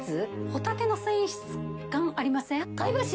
ホタテの繊維質感ありません？